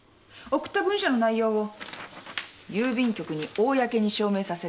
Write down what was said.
送った文書の内容を郵便局に公に証明させるもの。